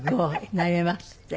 なれますって。